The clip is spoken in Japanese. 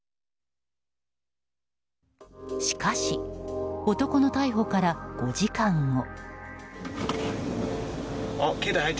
しかし、男の逮捕から５時間後。